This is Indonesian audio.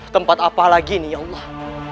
tempat apa lagi nih ya allah